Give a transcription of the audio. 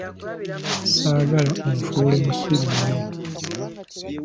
Ssaagala onfuule musiru nnyo.